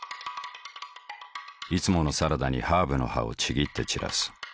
いつものサラダにハーブの葉をちぎって散らす。